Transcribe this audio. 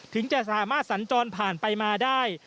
ถึงจะสามารถสัญจรผ่านไปมาได้